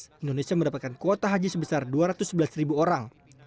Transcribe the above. tahun dua ribu lima belas indonesia mendapatkan kuota haji sebesar dua ratus sebelas orang